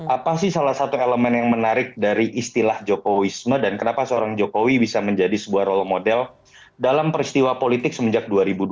apa sih salah satu elemen yang menarik dari istilah jokowisme dan kenapa seorang jokowi bisa menjadi sebuah role model dalam peristiwa politik semenjak dua ribu dua belas